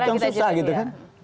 sekitar susah gitu kan